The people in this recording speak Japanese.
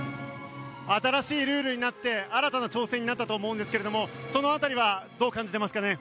新しいルールになって新たな挑戦になったと思うんですけれどもその辺りはどう感じてますかね？